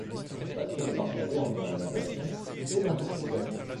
Sa passion est partagée entre la natation et l'interprétation.